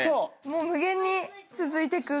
もう無限に続いていく。